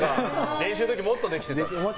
練習の時、もっとできてた？